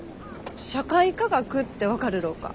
社会科学って分かるろうか？